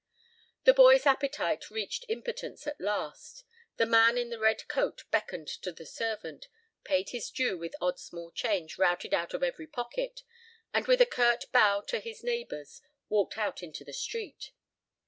The boy's appetite reached impotence at last. The man in the red coat beckoned to the servant, paid his due with odd small change routed out of every pocket, and with a curt bow to his neighbors walked out into the street.